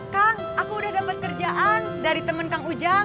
kang aku udah dapat kerjaan dari temen kang ujang